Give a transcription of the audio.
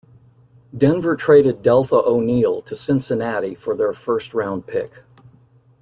Denver traded Deltha O'Neal to Cincinnati for their first round pick.